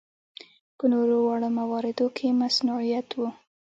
په نورو واړه مواردو کې مصنوعیت و.